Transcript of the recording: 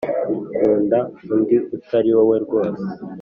nkunda undi utari wowe rwose.